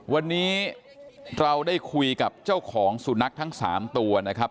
วันนี้เราได้คุยกับเจ้าของสุนัขทั้ง๓ตัวนะครับ